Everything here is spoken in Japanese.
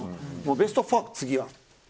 ベスト４、次は。